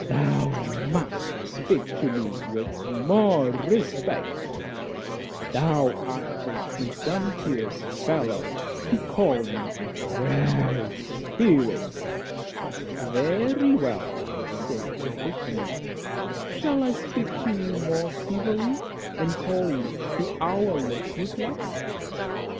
"Thou must speak to me with more respect; thou art a presumptuous fellow to call me a proud spirit." "Very well," replied the fisherman, "shall I speak to you more civilly, and call you the owl of good luck?"